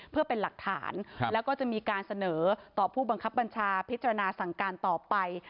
เพื่อเป็นหลักฐานแล้วก็จะมีการเสนอต่อผู้บังคับบัญชาพิจารณาสั่งการต่อไป